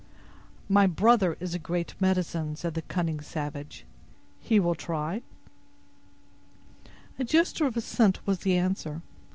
"My brother is a great medicine," said the cunning savage; "he will try?" A gesture of assent was the answer.